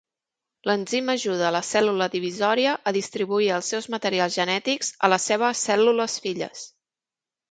L'enzim ajuda la cèl·lula divisòria a distribuir els seus materials genètics a les seves cèl·lules filles.